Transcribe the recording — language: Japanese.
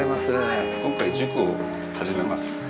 今回塾を始めます。